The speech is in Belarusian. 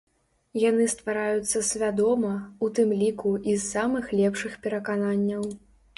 Яны ствараюцца свядома, у тым ліку, і з самых лепшых перакананняў.